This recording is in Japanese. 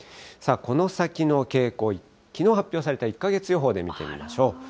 さあ、この先の傾向、きのう発表された１か月予報で見てみましょう。